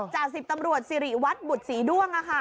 จากสิทธิ์ตำรวจสิริวัตรบุตรสีด้วง